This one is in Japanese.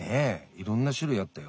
いろんな種類あったよ。